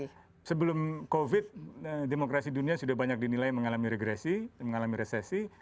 karena sebelum covid demokrasi dunia sudah banyak dinilai mengalami regresi mengalami resesi